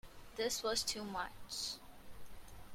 This was too much.